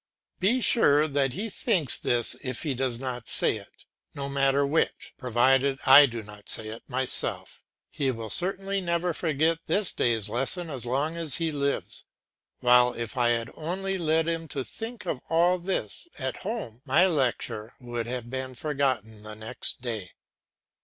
Be sure that he thinks this if he does not say it; no matter which, provided I do not say it myself. He will certainly never forget this day's lesson as long as he lives, while if I had only led him to think of all this at home, my lecture would have been forgotten the next day.